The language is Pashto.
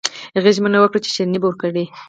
هغې ژمنه وکړه چې شیریني به ورکړي